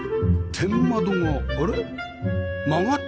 天窓があれっ？